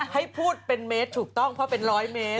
ให้พูดเป็นเมตรถูกต้องเพราะเป็นร้อยเมตร